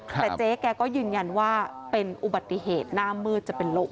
แต่เจ๊แกก็ยืนยันว่าเป็นอุบัติเหตุหน้ามืดจะเป็นลม